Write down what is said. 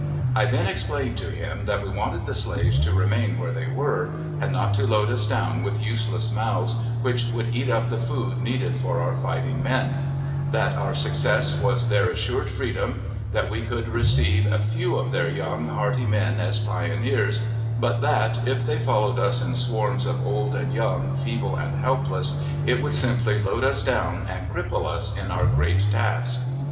I then explained to him that we wanted the slaves to remain where they were, and not to load us down with useless mouths, which would eat up the food needed for our fighting men; that our success was their assured freedom; that we could receive a few of their young, hearty men as pioneers; but that, if they followed us in swarms of old and young, feeble and helpless, it would simply load us down and cripple us in our great task.